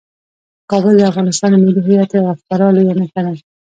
کابل د افغانستان د ملي هویت یوه خورا لویه نښه ده.